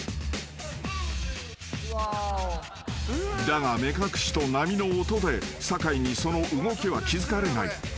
［だが目隠しと波の音で酒井にその動きは気付かれない］